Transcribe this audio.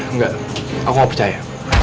engga aku gak percaya